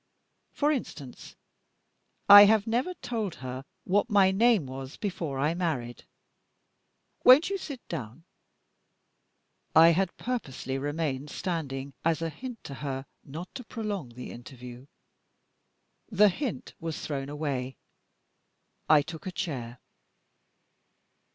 For instance, I have never told her what my name was before I married. Won't you sit down?" I had purposely remained standing as a hint to her not to prolong the interview. The hint was thrown away; I took a chair.